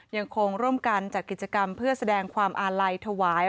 ยังคงร่วมกันจัดกิจกรรมเพื่อแสดงความอาลัยถวาย